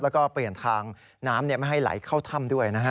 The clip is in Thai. แล้วก็เปลี่ยนทางน้ำไม่ให้ไหลเข้าถ้ำด้วยนะฮะ